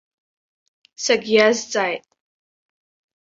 Сагьиазҵааит.